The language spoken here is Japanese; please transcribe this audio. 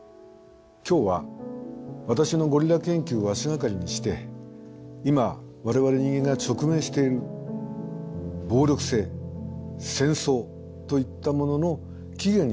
今日は私のゴリラ研究を足がかりにして今我々人間が直面している暴力性戦争といったものの起源について考えてみようと思います。